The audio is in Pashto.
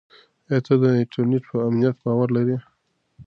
آیا ته د انټرنیټ په امنیت باور لرې؟